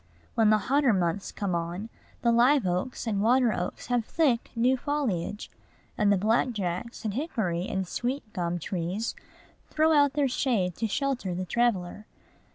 When the hotter months come on, the live oaks and water oaks have thick, new foliage, and the black jacks and hickory and sweet gum trees throw out their shade to shelter the traveller.